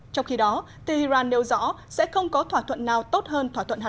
trong khi đó tên iran nêu rõ sẽ không có thỏa thuận nào tốt hơn thỏa thuận của mỹ